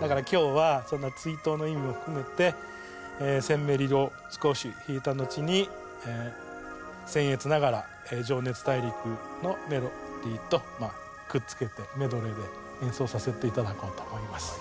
だから今日はその追悼の意味も含めて『戦メリ』を少し弾いたのちに僭越ながら『情熱大陸』のメロディーとくっつけてメドレーで演奏させて頂こうと思います。